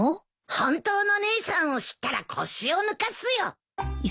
本当の姉さんを知ったら腰を抜かすよ。